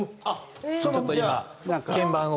ちょっと今鍵盤を。